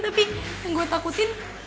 tapi yang gue takutin